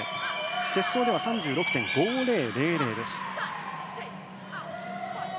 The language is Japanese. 決勝では３６．５０００です。